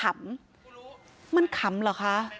มันขำเหรอคะ